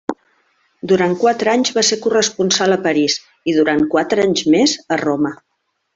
Durant quatre anys va ser corresponsal a París i, durant quatre anys més, a Roma.